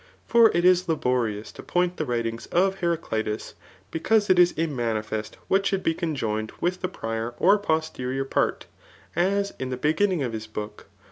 For it is labo rious to point the writings of Heraclitus, because it is immanifest what should be conjoined with the prior or posterior part ; as in the beginning of his book.